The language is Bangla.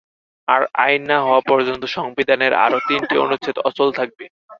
আর আইন না হওয়া পর্যন্ত সংবিধানের আরও তিনটি অনুচ্ছেদ অচল থাকবে।